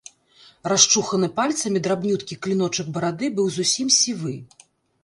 Расчуханы пальцамі драбнюткі кліночак барады быў зусім сівы.